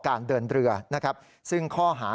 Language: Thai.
การเดินเรือนะครับซึ่งข้อหา